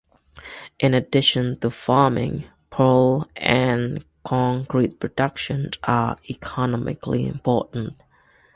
In addition to farming, pearl and concrete production are economically important.